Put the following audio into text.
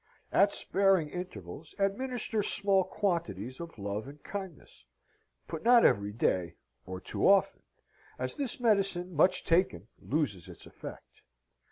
At sparing intervals administer small quantities of love and kindness; but not every day, or too often, as this medicine, much taken, loses its effect.